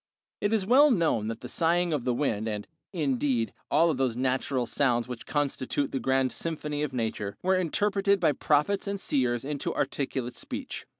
It is well known that the sighing of the wind, and, indeed, all those natural sounds which constitute the grand symphony of Nature, were interpreted by prophets and seers into articulate speech.